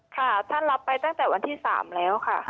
ค่ะท่านรับไปตั้งแต่วันที่๓แล้วค่ะ